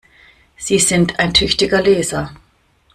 Sie sind ein tüchtiger Leser!